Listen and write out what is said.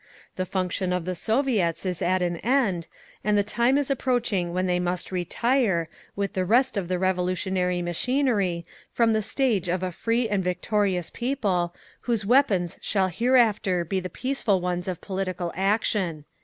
The function of the Soviets is at an end, and the time is approaching when they must retire, with the rest of the revolutionary machinery, from the stage of a free and victorious people, whose weapons shall hereafter be the peaceful ones of political action."